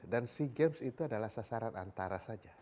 dan asian games itu adalah sasaran antara saja